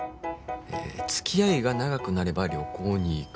「つき合いが長くなれば旅行に行く」